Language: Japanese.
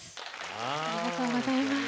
ありがとうございます。